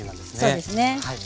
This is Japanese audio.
そうですねはい。